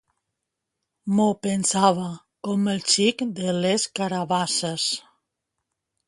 M'ho pensava, com el xic de les carabasses.